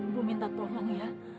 ibu minta tolong ya